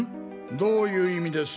どういう意味です？